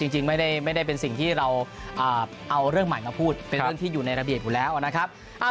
จริงไม่ได้เป็นสิ่งที่เราเอาเรื่องใหม่มาพูดเป็นเรื่องที่อยู่ในระเบียบอยู่แล้วนะครับ